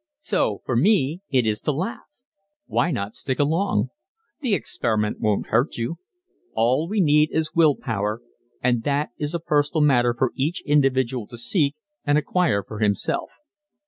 So, for me, it is to laugh! Why not stick along? The experiment won't hurt you. All we need is will power, and that is a personal matter for each individual to seek and acquire for himself.